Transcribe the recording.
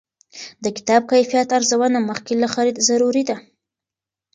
د کتاب کیفیت ارزونه مخکې له خرید ضروري ده.